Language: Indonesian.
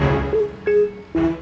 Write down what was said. bukan mau jual tanah